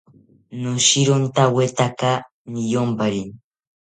Noshirontawetaka niyompari